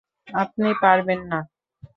আপনি পারবেন না।